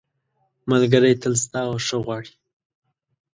ملګری تل ستا ښه غواړي.